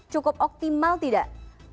cukup optimal tidak